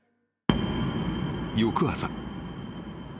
［翌朝］